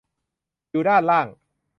อยู่ด้านล่าง